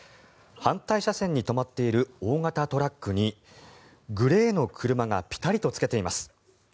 反対車線に止まっている大型トラックにグレーの車がぴたりとつけています。